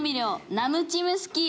ナムチムスキー？